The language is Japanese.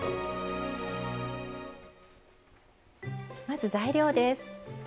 まず材料です。